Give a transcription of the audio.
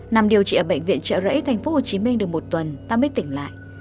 nằm điều trị ở bệnh viện trợ rẫy tp hcm được một tuần ta mới tỉnh lại